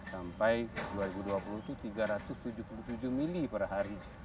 sampai dua ribu dua puluh itu tiga ratus tujuh puluh tujuh mili per hari